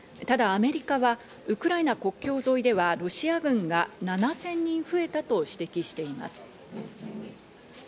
ただアメリカはウクライナ国境沿いではロシア軍が７０００人増えたと指摘しています。